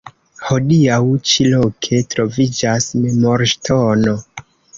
Hodiaŭ ĉi loke troviĝas memorŝtono.